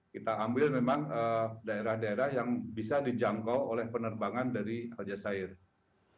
kita ambil memang daerah daerah yang bisa dijangkau oleh penerbangan dari al jazeera